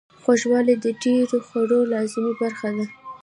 خوږوالی د ډیرو خوړو لازمي برخه ده.